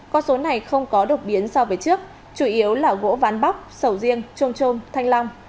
con số này không có đột biến so với trước chủ yếu là gỗ ván bóc sầu riêng trôm trôm thanh long